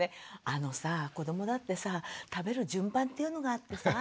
あのさ子どもだってさ食べる順番っていうのがあってさ。